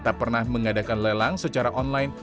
tak pernah mengadakan lelang secara online